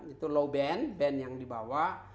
itu low band band yang dibawa